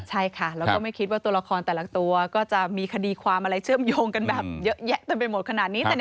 ใช่ค่ะแล้วก็ไม่คิดว่าตัวละครแต่ละตัวก็จะมีคดีความอะไรเชื่อมโยงกันแบบเยอะแยะเต็มไปหมดขนาดนี้